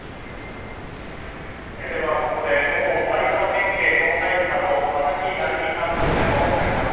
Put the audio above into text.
では、ここで元埼玉県警捜査１課の佐々木成三さんとお電話をつなぎます。